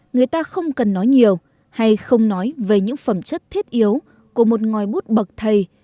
người ta không cần nói nhiều hay không nói về những phẩm chất thiết yếu của một ngòi bút bậc thầy